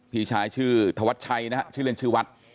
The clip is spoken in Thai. พี่ชายชื่อธวัชชัยนะฮะชื่อเล่นชื่อวัด